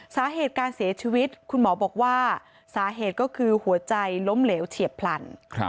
สาเหตุการเสียชีวิตคุณหมอบอกว่าสาเหตุก็คือหัวใจล้มเหลวเฉียบพลัน